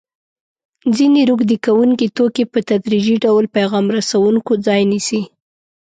ځیني روږدي کوونکي توکي په تدریجي ډول پیغام رسوونکو ځای نیسي.